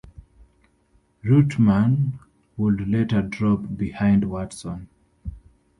Reutemann would later drop behind Watson.